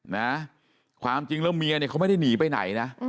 นะความจริงแล้วเมียเนี่ยเขาไม่ได้หนีไปไหนนะ